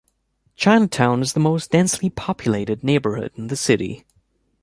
Chinatown is the most densely populated neighborhood in the city.